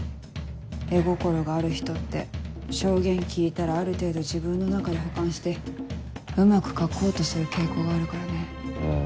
絵心がある人って証言聞いたらある程度自分の中で補完してうまく描こうとする傾向があるからね。